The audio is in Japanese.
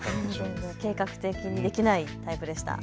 計画的にできないタイプでした。